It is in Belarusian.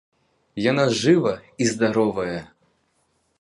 Яна жыва і здаровая.